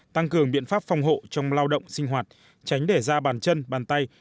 tăng cường biện pháp phòng hộ trong lao động sinh hoạt tránh để ra bàn chân bàn tay